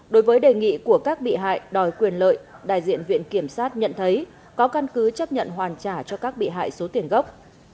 đối với đề nghị của các bị hại đòi quyền lợi đại diện viện kiểm sát nhận thấy có căn cứ chấp nhận hoàn trả cho các bị hại số tiền gốc